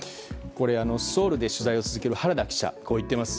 ソウルで取材を続ける原田記者はこう言っています。